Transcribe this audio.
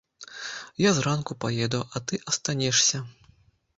Я ж зранку паеду, а ты астанешся.